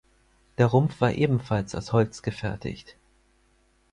Der Rumpf war ebenfalls aus Holz gefertigt.